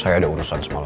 say ada urusan semalam